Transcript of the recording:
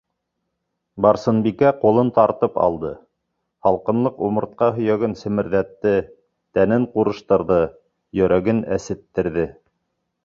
- Барсынбикә ҡулын гартып алды. һалҡынлыҡ умыртҡа һөйәген семерҙәтте, тәнен ҡурыштырҙы, йөрәген әсеттерҙе.